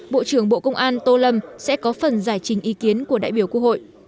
bộ trưởng bộ công an tô lâm sẽ có phần giải trình ý kiến của đại biểu quốc hội